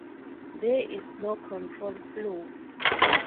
There is no control flow.